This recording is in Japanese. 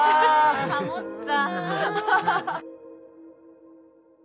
ハモった。